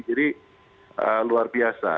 jadi luar biasa